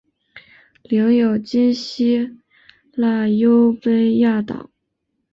领有今希腊优卑亚岛。